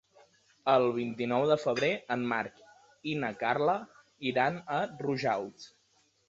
El vint-i-nou de febrer en Marc i na Carla iran a Rojals.